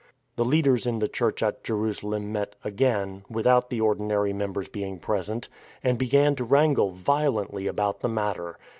The leaders in the church at Jerusalem met again (without the ordinary members being present), and began to wrangle violently about the matter.